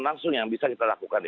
langsung yang bisa kita lakukan